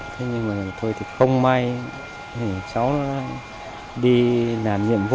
thế nhưng mà tôi thì không may cháu đi làm nhiệm vụ